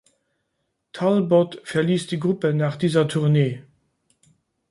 Talbot verließ die Gruppe nach dieser Tournee.